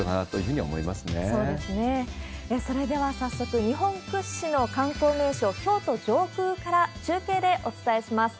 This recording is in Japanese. それでは早速、日本屈指の観光名所、京都上空から中継でお伝えします。